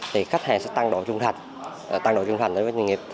thì khách hàng sẽ tăng độ trung thành tăng độ trung thành đối với doanh nghiệp